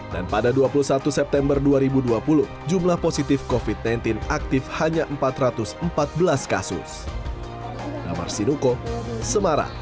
dan pada dua puluh satu september dua ribu dua puluh jumlah positif covid sembilan belas aktif hanya empat ratus empat belas kasus